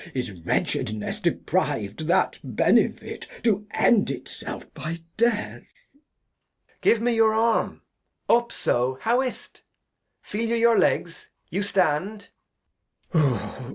Is Wretchedness depriv'd that Benefit To End it self by Death ? Edg. Give me your Arm. Up ; so, how is't ? Feel you your Legs ? You stand.